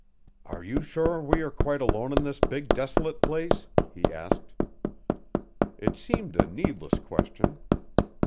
"Are you sure we are quite alone in this big, desolate place?" he asked. It seemed a needless question.